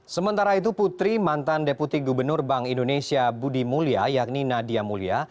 sementara itu putri mantan deputi gubernur bank indonesia budi mulia yakni nadia mulia